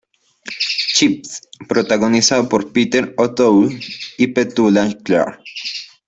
Chips", protagonizado por Peter O'Toole y Petula Clark.